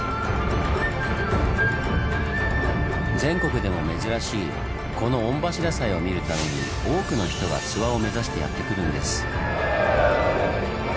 全国でも珍しいこの御柱祭を見るために多くの人が諏訪を目指してやって来るんです。